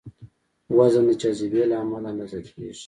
وزن د جاذبې له امله اندازه کېږي.